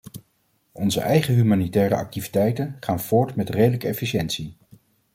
Onze eigen humanitaire activiteiten gaan voort met redelijke efficiëntie.